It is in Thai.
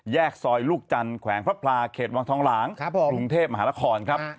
ซอยลูกจันทร์แขวงพระพลาเขตวังทองหลางกรุงเทพมหานครครับ